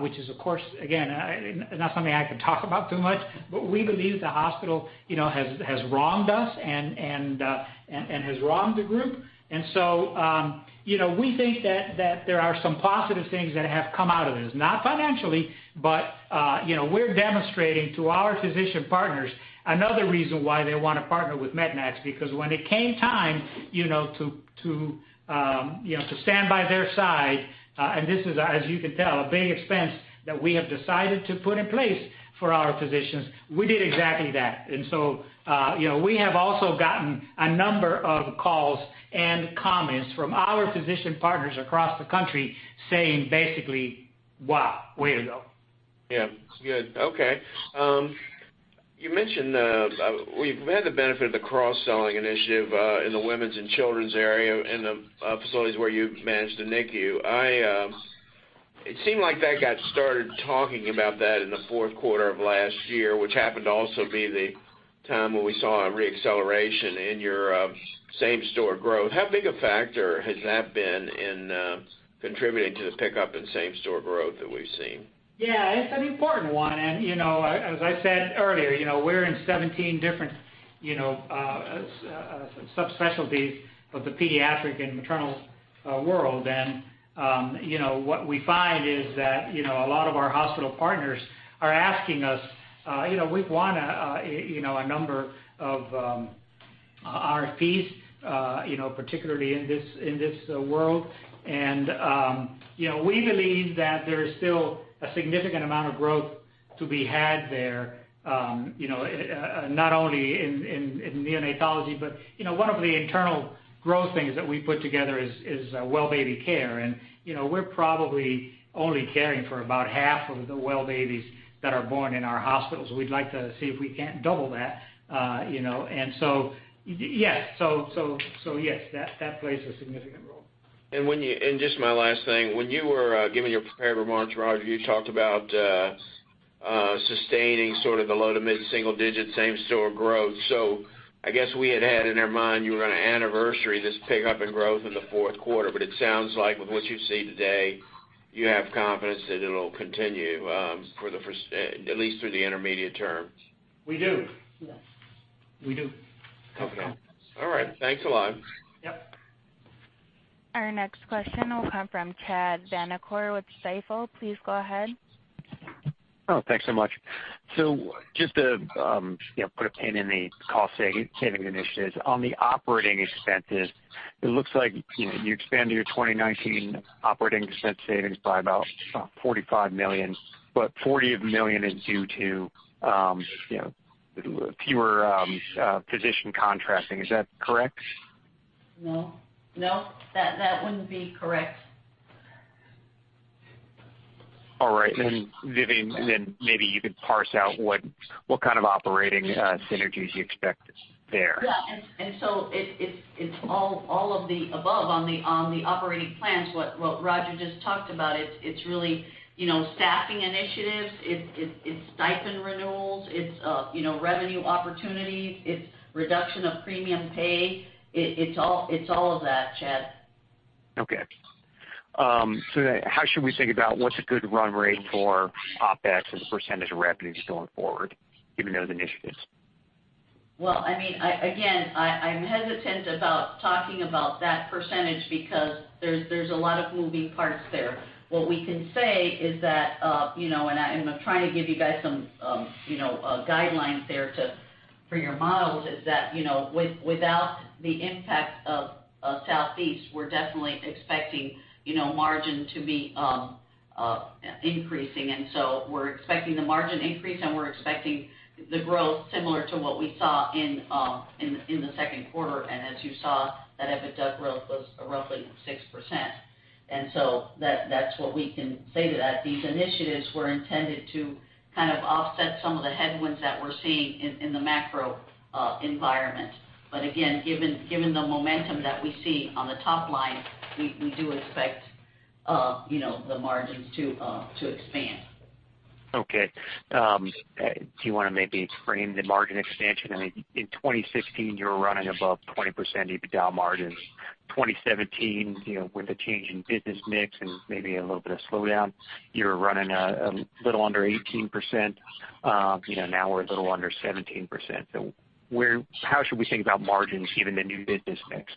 which is of course, again, not something I can talk about too much, but we believe the hospital has wronged us and has wronged the group. So we think that there are some positive things that have come out of this. Not financially, but we're demonstrating to our physician partners another reason why they want to partner with MEDNAX, because when it came time to stand by their side, and this is, as you can tell, a big expense that we have decided to put in place for our physicians, we did exactly that. So we have also gotten a number of calls and comments from our physician partners across the country saying basically, "Wow, way to go. Yeah. Good. Okay. You mentioned we've had the benefit of the cross-selling initiative in the women's and children's area in the facilities where you've managed the NICU. It seemed like that got started talking about that in the fourth quarter of last year, which happened to also be the time when we saw a re-acceleration in your same-store growth. How big a factor has that been in contributing to the pickup in same-store growth that we've seen? Yeah, it's an important one. As I said earlier, we're in 17 different subspecialties of the pediatric and maternal world. What we find is that a lot of our hospital partners are asking us, we've won a number of RFPs, particularly in this world. We believe that there is still a significant amount of growth to be had there, not only in neonatology, but one of the internal growth things that we put together is well-baby care. We're probably only caring for about half of the well babies that are born in our hospitals. We'd like to see if we can't double that. So, yes, that plays a significant role. just my last thing, when you were giving your prepared remarks, Roger, you talked about sustaining sort of the low to mid single-digit same-store growth. I guess we had had in our mind you were going to anniversary this pickup in growth in the fourth quarter, but it sounds like with what you see today, you have confidence that it'll continue at least through the intermediate term. We do. Yes. We do have confidence. All right. Thanks a lot. Yep. Our next question will come from Chad Vanacore with Stifel. Please go ahead. Oh, thanks so much. Just to put a pin in the cost-saving initiatives. On the operating expenses, it looks like you expanded your 2019 operating expense savings by about $45 million, but $40 million is due to fewer physician contracting. Is that correct? No. That wouldn't be correct. All right. Vivian, then maybe you could parse out what kind of operating synergies you expect there. Yeah. It's all of the above on the operating plans, what Roger just talked about. It's really staffing initiatives. It's stipend renewals. It's revenue opportunities. It's reduction of premium pay. It's all of that, Chad. Okay. How should we think about what's a good run rate for OpEx as a % of revenues going forward given those initiatives? Well, again, I'm hesitant about talking about that % because there's a lot of moving parts there. What we can say is that, I'm trying to give you guys some guidelines there for your models, is that without the impact of Southeast, we're definitely expecting margin to be increasing. We're expecting the margin increase, and we're expecting the growth similar to what we saw in the second quarter. As you saw, that EBITDA growth was roughly 6%. That's what we can say to that. These initiatives were intended to kind of offset some of the headwinds that we're seeing in the macro environment. Again, given the momentum that we see on the top line, we do expect the margins to expand. Okay. Do you want to maybe frame the margin expansion? I mean, in 2016, you were running above 20% EBITDA margins. 2017, with the change in business mix and maybe a little bit of slowdown, you were running a little under 18%. Now we're a little under 17%. How should we think about margins given the new business mix?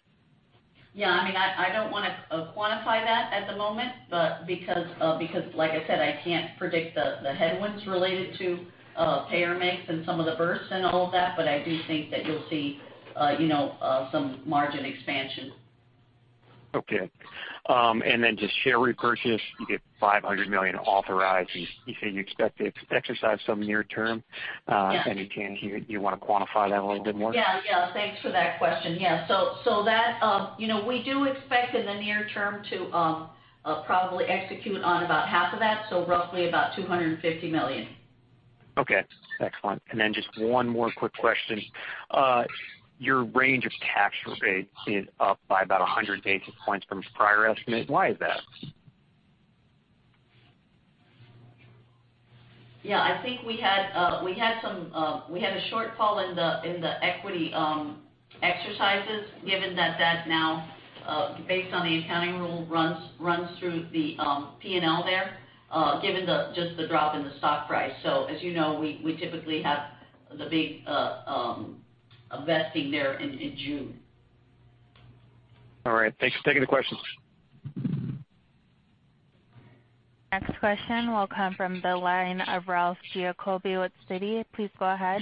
Yeah, I don't want to quantify that at the moment, because like I said, I can't predict the headwinds related to payer mix and some of the births and all of that, but I do think that you'll see some margin expansion. Okay. Just share repurchase, you get $500 million authorized. You say you expect to exercise some near term- Yeah You want to quantify that a little bit more? Yeah. Thanks for that question. Yeah. We do expect in the near term to probably execute on about half of that, so roughly about $250 million. Okay. Excellent. Just one more quick question. Your range of tax rate is up by about 100 basis points from prior estimate. Why is that? Yeah, I think we had a shortfall in the equity exercises, given that now, based on the accounting rule, runs through the P&L there, given just the drop in the stock price. As you know, we typically have the big vesting there in June. All right. Thanks for taking the questions. Next question will come from the line of Ralph Giacobbe with Citi. Please go ahead.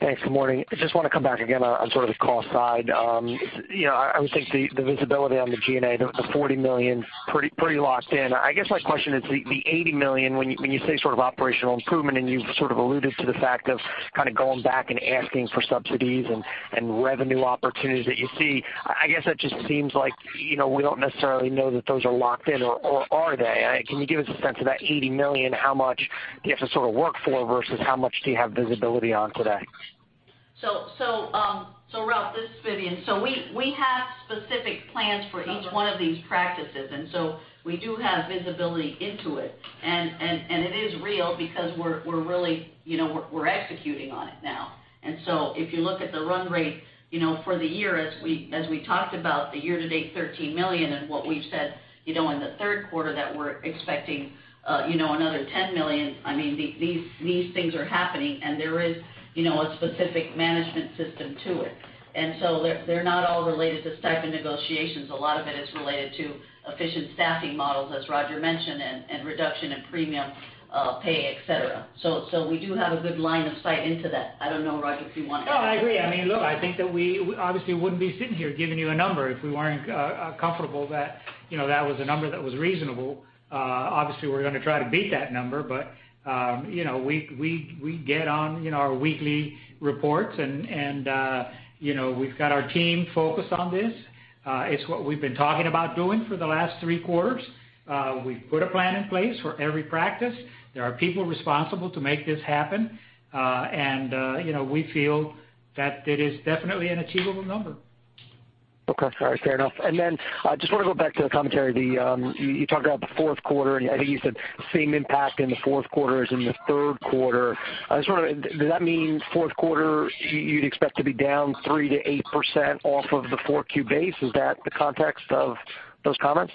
Thanks. Good morning. I just want to come back again on sort of the cost side. I would think the visibility on the G&A, the $40 million, pretty locked in. I guess my question is the $80 million, when you say sort of operational improvement, and you've sort of alluded to the fact of kind of going back and asking for subsidies and revenue opportunities that you see, I guess that just seems like we don't necessarily know that those are locked in or are they? Can you give us a sense of that $80 million, how much do you have to sort of work for versus how much do you have visibility on today? Ralph, this is Vivian. We have specific plans for each one of these practices, we do have visibility into it. It is real because we're executing on it now. If you look at the run rate for the year as we talked about the year-to-date $13 million and what we've said in the third quarter that we're expecting another $10 million, these things are happening and there is a specific management system to it. They're not all related to stipend negotiations. A lot of it is related to efficient staffing models, as Roger mentioned, and reduction in premium pay, et cetera. We do have a good line of sight into that. I don't know, Roger, if you want to add. No, I agree. Look, I think that we obviously wouldn't be sitting here giving you a number if we weren't comfortable that was a number that was reasonable. Obviously, we're gonna try to beat that number, but we get on our weekly reports and we've got our team focused on this. It's what we've been talking about doing for the last three quarters. We've put a plan in place for every practice. There are people responsible to make this happen. We feel that it is definitely an achievable number. Okay. All right. Fair enough. I just wanna go back to a commentary. You talked about the fourth quarter, and I think you said same impact in the fourth quarter as in the third quarter. Does that mean fourth quarter you'd expect to be down 3%-8% off of the 4Q base? Is that the context of those comments?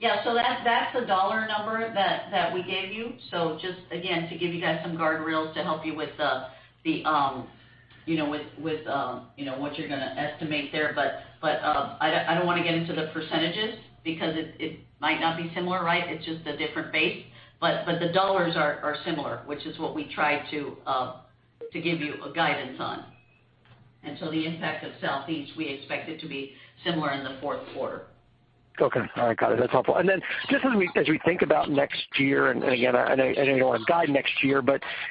Yeah, that's the dollar number that we gave you. Just again, to give you guys some guardrails to help you with what you're gonna estimate there, but I don't wanna get into the percentages because it might not be similar, right? It's just a different base. But the dollars are similar, which is what we tried to give you a guidance on. The impact of Southeast, we expect it to be similar in the fourth quarter. Okay. All right. Got it. That's helpful. Then just as we think about next year, again, I know you don't want to guide next year,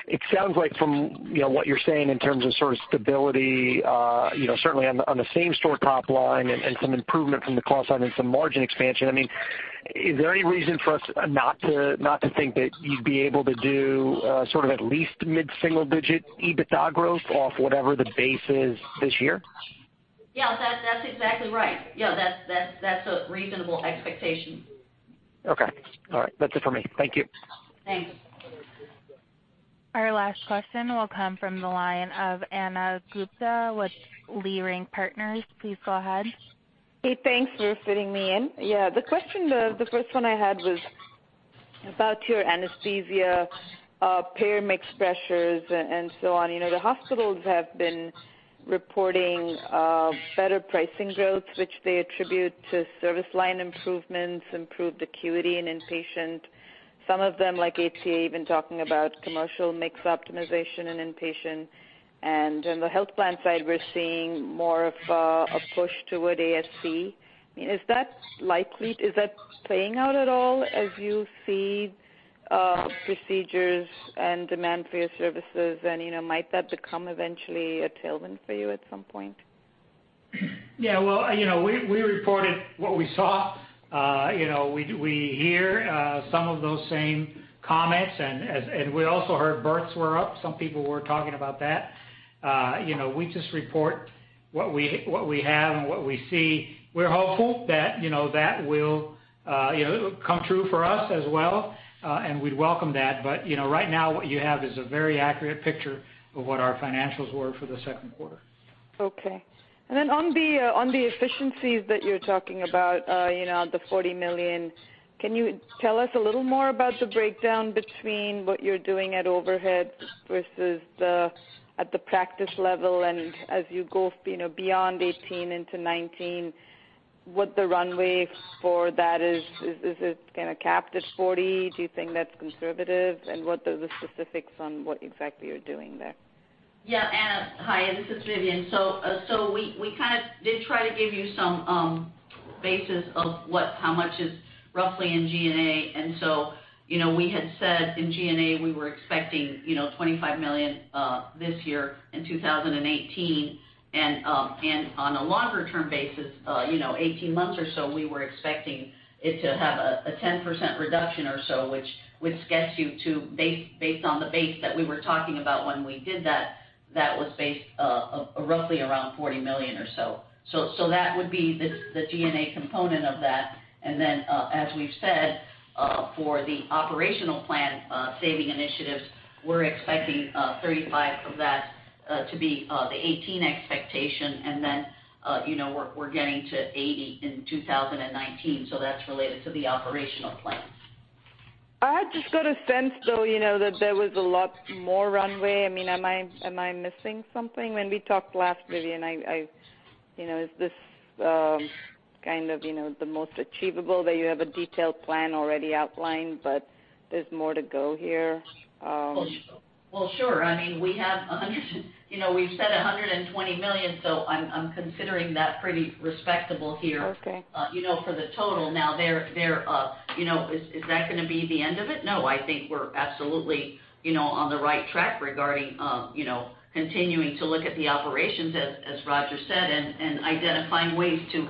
it sounds like from what you're saying in terms of sort of stability, certainly on the same-store top line and some improvement from the cost side and some margin expansion, is there any reason for us not to think that you'd be able to do sort of at least mid-single digit EBITDA growth off whatever the base is this year? Yeah, that's exactly right. Yeah, that's a reasonable expectation. Okay. All right. That's it for me. Thank you. Thanks. Our last question will come from the line of Ana Gupte with Leerink Partners. Please go ahead. Hey, thanks for fitting me in. Yeah, the question, the first one I had was about your anesthesia payer mix pressures and so on. The hospitals have been reporting better pricing growth, which they attribute to service line improvements, improved acuity in inpatient. Some of them, like HCA, even talking about commercial mix optimization in inpatient. In the health plan side, we're seeing more of a push toward ASC. Is that playing out at all as you see procedures and demand for your services? Might that become eventually a tailwind for you at some point? Yeah. Well, we reported what we saw. We hear some of those same comments, and we also heard births were up. Some people were talking about that. We just report what we have and what we see. We're hopeful that will come true for us as well, and we'd welcome that. Right now what you have is a very accurate picture of what our financials were for the second quarter. Okay. On the efficiencies that you're talking about, the $40 million, can you tell us a little more about the breakdown between what you're doing at overhead versus at the practice level and as you go beyond 2018 into 2019? What the runway for that is. Is it capped at $40 million? Do you think that's conservative? What are the specifics on what exactly you're doing there? Ana. Hi, this is Vivian. We did try to give you some basis of how much is roughly in G&A. We had said in G&A, we were expecting $25 million this year in 2018. On a longer-term basis, 18 months or so, we were expecting it to have a 10% reduction or so, which gets you to, based on the base that we were talking about when we did that was based roughly around $40 million or so. That would be the G&A component of that. As we've said, for the operational plan saving initiatives, we're expecting $35 of that to be the 2018 expectation. We're getting to $80 in 2019. That's related to the operational plans. I just got a sense, though, that there was a lot more runway. Am I missing something? When we talked last, Vivian, is this the most achievable, that you have a detailed plan already outlined, but there's more to go here? Sure. We've said $120 million, I'm considering that pretty respectable here- Okay For the total. Is that going to be the end of it? No, I think we're absolutely on the right track regarding continuing to look at the operations, as Roger said, and identifying ways to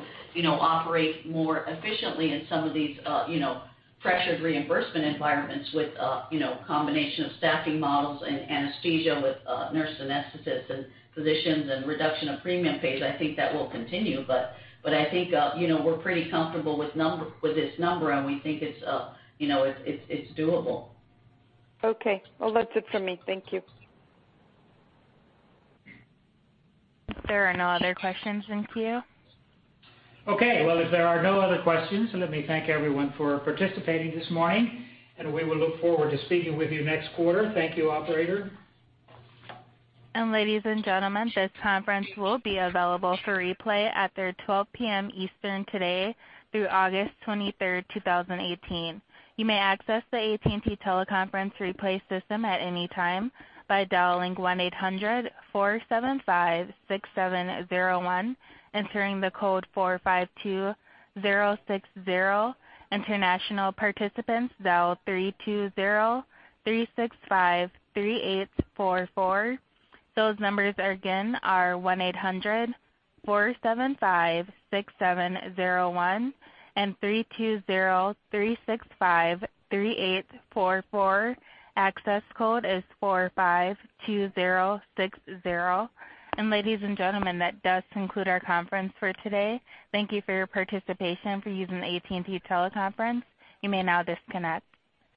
operate more efficiently in some of these pressured reimbursement environments with combination of staffing models and anesthesia with nurse anesthetists and physicians and reduction of premium pays. I think we're pretty comfortable with this number, and we think it's doable. Okay. Well, that's it for me. Thank you. There are no other questions in queue. Okay. Well, if there are no other questions, let me thank everyone for participating this morning, and we will look forward to speaking with you next quarter. Thank you, operator. Ladies and gentlemen, this conference will be available for replay after 12:00 P.M. Eastern today through August 23rd, 2018. You may access the AT&T teleconference replay system at any time by dialing 1-800-475-6701 entering the code 452060. International participants, dial 320-365-3844. Those numbers again are 1-800-475-6701 and 320-365-3844. Access code is 452060. Ladies and gentlemen, that does conclude our conference for today. Thank you for your participation for using the AT&T teleconference. You may now disconnect.